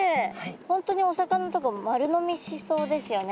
本当にお魚とか丸飲みしそうですよね